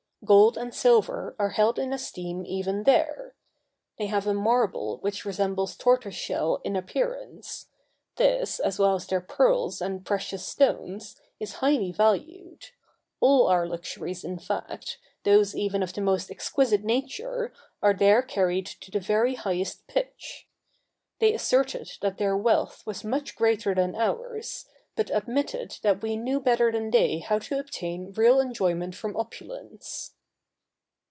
Gold and silver are held in esteem even there. They have a marble which resembles tortoise shell in appearance; this, as well as their pearls and precious stones, is highly valued; all our luxuries in fact, those even of the most exquisite nature, are there carried to the very highest pitch. They asserted that their wealth was much greater than ours, but admitted that we knew better than they how to obtain real enjoyment from opulence.